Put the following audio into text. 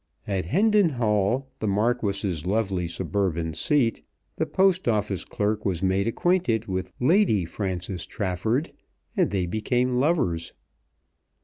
At Hendon Hall, the Marquis's lovely suburban seat, the Post Office clerk was made acquainted with Lady Frances Trafford, and they became lovers.